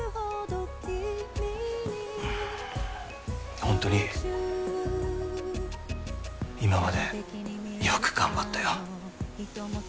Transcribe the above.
ホントに今までよく頑張ったよ